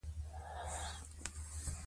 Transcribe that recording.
افسر چې خولۍ یې ایسته کړه، انګریزي وو.